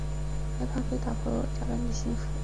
害怕打破这假扮的幸福